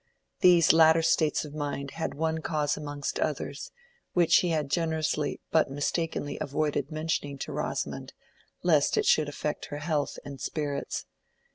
These latter states of mind had one cause amongst others, which he had generously but mistakenly avoided mentioning to Rosamond, lest it should affect her health and spirits.